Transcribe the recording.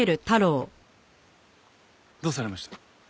どうされました？